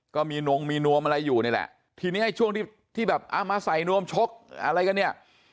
ก็มีนงมีนวมอะไรอยู่นี่แหละทีนี้ไอ้ช่วงที่ที่แบบเอามาใส่นวมชกอะไรกันเนี่ย